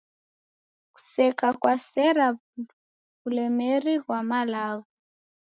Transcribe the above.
Kuseka kwasera w'ulemeri ghwamalagho.